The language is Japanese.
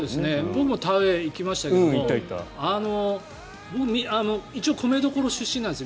僕も田植え、行きましたけども僕一応、米どころ出身なんです。